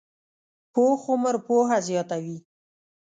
پوخ عمر پوهه زیاته وي